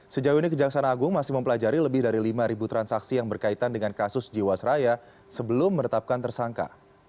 sejauh ini kejaksaan agung masih mempelajari lebih dari lima transaksi yang berkaitan dengan kasus jiwasraya sebelum menetapkan tersangka